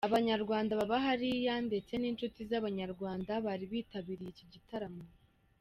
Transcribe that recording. Abanyarwanda baba hariya ndetse n'inshuti z'abanyarwanda bari bitabiriye iki gitaramo.